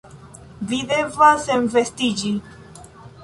Vi devas senvestiĝi...